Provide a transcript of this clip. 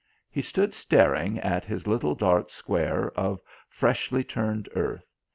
He stood staring at his little dark square of freshly turned earth.